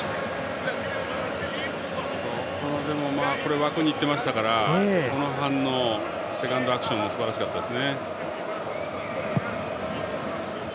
枠に行ってましたからこの反応、セカンドアクションもすばらしかったです。